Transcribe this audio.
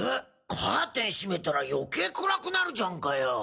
カーテン閉めたらよけい暗くなるじゃんかよぉ。